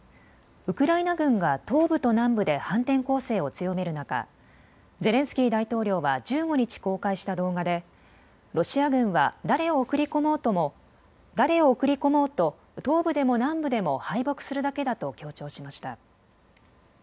ウクライナ軍が東部と南部で反転攻勢を強める中、ゼレンスキー大統領は１５日、公開した動画でロシア軍は誰を送り込もうと東部でも南部でも敗北するだけだと強調しました。